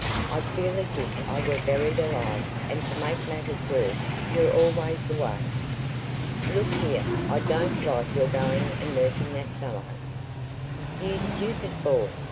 "I feel as if I were buried alive, and to make matters worse, you're always away. Look here, I don't like your going and nursing that fellow." "You stupid boy!"